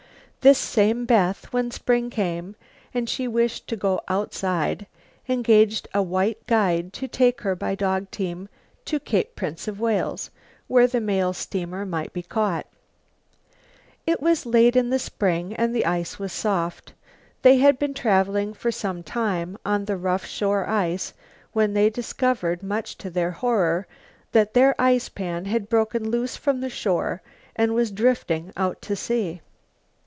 This same Beth, when spring came and she wished to go "outside," engaged a white guide to take her by dog team to Cape Prince of Wales, where the mail steamer might be caught. It was late in the spring and the ice was soft. They had been traveling for some time on the rough shore ice when they discovered, much to their horror, that their ice pan had broken loose from the shore and was drifting out to sea.